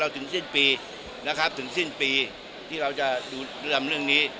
ถึงสิ้นปีนะครับถึงสิ้นปีที่เราจะนำเรื่องนี้